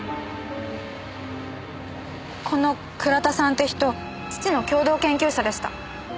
この倉田さんって人父の共同研究者でした。